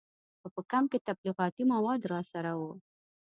خو په کمپ کې تبلیغاتي مواد راسره وو.